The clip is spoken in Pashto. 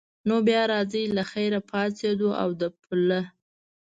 نو بیا راځئ له خیره، پاڅېدو او د پله.